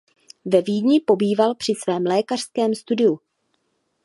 Ve Vídni pobýval při svém lékařském studiu.